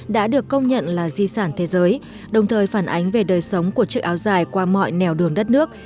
đã được công nhận là di sản thế giới đồng thời phản ánh về đời sống của chiếc áo dài qua mọi nẻo đường đất nước